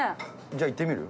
じゃあいってみる？